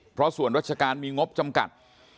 เพราะส่วนราชการมีงบจำกัด